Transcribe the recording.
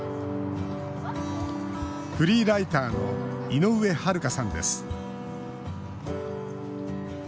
フリーライターの井上榛香さんです。